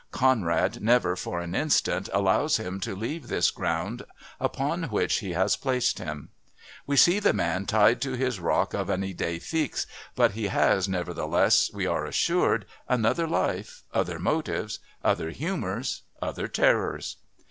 Conrad never, for an instant, allows him to leave this ground upon which he has placed him. We see the man tied to his rock of an idée fixe, but he has, nevertheless, we are assured, another life, other motives, other humours, other terrors.